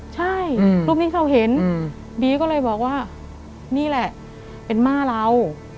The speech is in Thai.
ใช่รูปนี้เขาเห็นบีก็เลยบอกว่านี่แหละเป็นม่าเรา